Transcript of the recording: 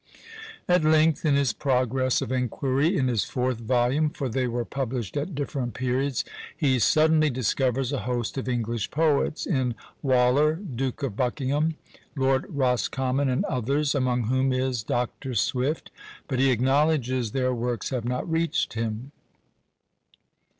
At length, in his progress of inquiry, in his fourth volume (for they were published at different periods), he suddenly discovers a host of English poets in Waller, Duke of Buckingham, Lord Roscommon, and others, among whom is Dr. Swift; but he acknowledges their works have not reached him.